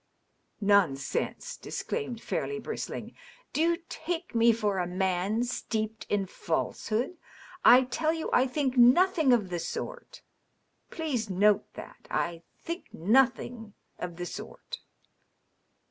" Nonsense 1" disclaimed Fairleigh, bristling. " Do you take me for a man steeped in falsehood? I tell you I think nothing of the sort. Please note that. I think nothing of the sort."